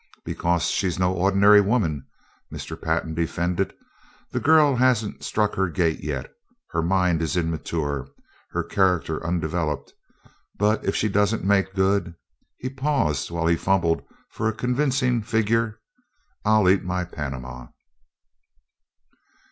"Because she's no ordinary woman," Mr. Pantin defended. "The girl hasn't struck her gait yet; her mind is immature, her character undeveloped; but if she doesn't make good " he paused while he fumbled for a convincing figure "I'll eat my panama!"